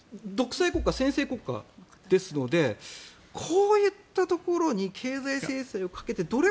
独裁国家、専制国家ですのでこういったところに経済制裁をかけて。